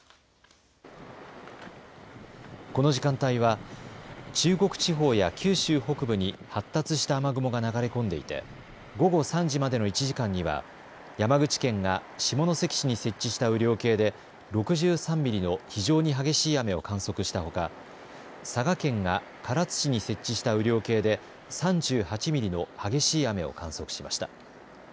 この時間帯は中国地方や九州北部に発達した雨雲が流れ込んでいて午後３時までの１時間には山口県が下関市に設置した雨量計で６３ミリの非常に激しい雨を観測したほか佐賀県が唐津市に設置した雨量計で３８ミリの激しい雨を観測しました。